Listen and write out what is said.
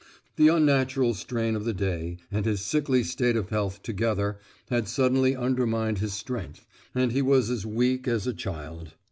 The unnatural strain of the day, and his sickly state of health together, had suddenly undermined his strength, and he was as weak as a child.